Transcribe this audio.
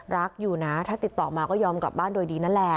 รักอยู่นะถ้าติดต่อมาก็ยอมกลับบ้านโดยดีนั่นแหละ